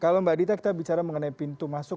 kalau mbak dita kita bicara mengenai pintu masuk